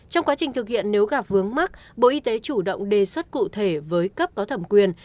trong quá trình thực hiện nếu gặp vướng mắt bộ y tế chủ động đề xuất cụ thể với cấp có thẩm quyền